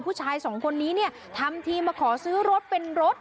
ผู้ชายสองคนนี้เนี่ยทำทีมาขอซื้อรถเป็นรถ